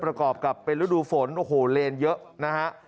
ประกอบกับเป็นฤดูฝนโอ้โหเลนเยอะนะฮะ